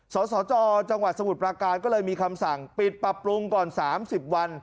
สสจจสปก็เลยมีคำสั่งปิดปรับปรุงก่อน๓๐วัน